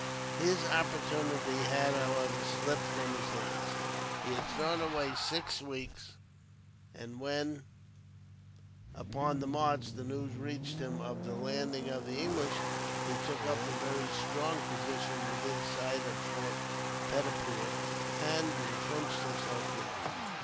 His opportunity had, however, slipped from his hands. He had thrown away six weeks; and when, upon the march, the news reached him of the landing of the English, he took up the very strong position within sight of the fort Peddapur, and intrenched himself there.